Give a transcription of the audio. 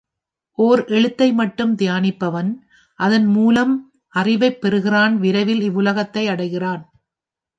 ஓர் எழுத்தை மட்டும் தியானிப்பவன், அதன் மூலம் அறிவைப் பெறுகிறான் விரைவில் இவ்வுலகத்தை அடைகிறான்.